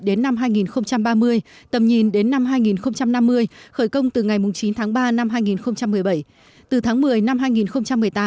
đến năm hai nghìn ba mươi tầm nhìn đến năm hai nghìn năm mươi khởi công từ ngày chín tháng ba năm hai nghìn một mươi bảy từ tháng một mươi năm hai nghìn một mươi tám